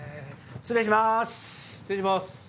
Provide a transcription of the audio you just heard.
失礼します。